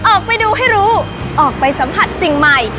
ออกไปดูให้รู้ออกไปสัมผัสสิ่งใหม่